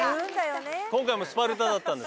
今回もスパルタだったんだ？